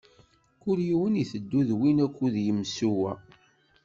Kul yiwen iteddu d win ukud i d-imsuwa.